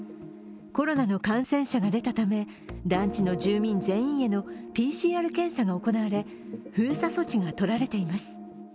コロナの感染者が出たため、団地の住民全員へのＰＣＲ検査が行われ、封鎖措置が取られています。